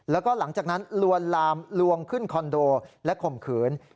แล้วก็หลังจากนั้นลวนลามลวงขึ้นคอนโดและข่มขืน